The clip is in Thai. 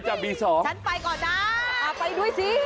ฉันไปก่อนต่อ